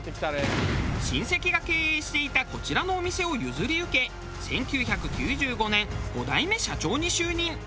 親戚が経営していたこちらのお店を譲り受け１９９５年５代目社長に就任。